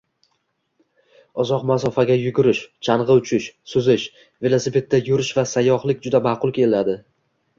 Uzoq masofaga yugurish, chang‘i uchish, suzish, velosipedda yurish va sayyohlik juda maʼqul keladi.